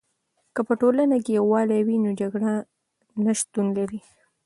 که په ټولنه کې یوالی وي، نو جګړه نه شتون لري.